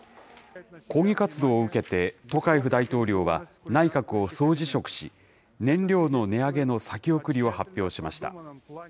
抗議活動を受けて、トカエフ大統領は内閣を総辞職し、燃料の値上げの先送りを発表しました。